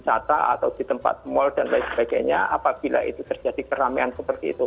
wisata atau di tempat mal dan lain sebagainya apabila itu terjadi keramaian seperti itu